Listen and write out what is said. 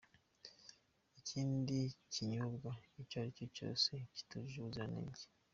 n’ikindi kinyobwa icyo ari cyo cyose kitujuje ubuziranenge.